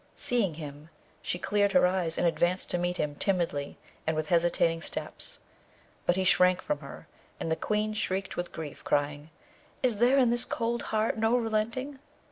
Seeing him, she cleared her eyes, and advanced to meet him timidly and with hesitating steps; but he shrank from her, and the Queen shrieked with grief, crying, 'Is there in this cold heart no relenting?'